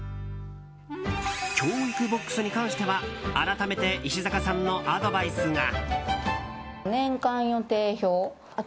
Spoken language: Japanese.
教育ボックスに関しては改めて石阪さんのアドバイスが。